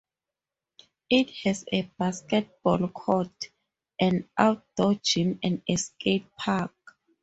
It has a basketball court, an outdoor gym and a skate park.